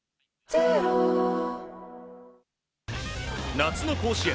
夏の甲子園。